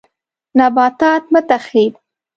نباتات مه تخریب